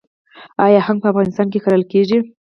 آیا هنګ په افغانستان کې کرل کیږي؟